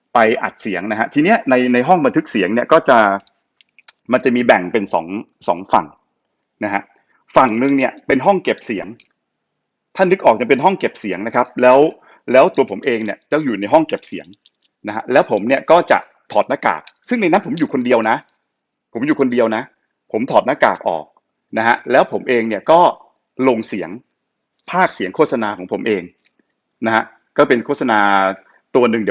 อัดเสียงนะฮะทีเนี้ยในในห้องบันทึกเสียงเนี่ยก็จะมันจะมีแบ่งเป็นสองสองฝั่งนะฮะฝั่งนึงเนี่ยเป็นห้องเก็บเสียงถ้านึกออกจะเป็นห้องเก็บเสียงนะครับแล้วแล้วตัวผมเองเนี่ยเจ้าอยู่ในห้องเก็บเสียงนะฮะแล้วผมเนี่ยก็จะถอดหน้ากากซึ่งในนั้นผมอยู่คนเดียวนะผมอยู่คนเดียวนะผมถอดหน้ากากออกนะฮะแล้วผมเองเนี่ยก็ลงเสียงภาคเสียงโฆษณาของผมเองนะฮะก็เป็นโฆษณาตัวหนึ่ง